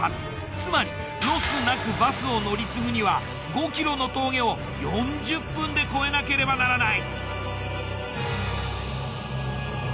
つまりロスなくバスを乗り継ぐには５ｋｍの峠を４０分で越えなければならない。